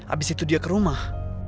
abis itu dia ke rumah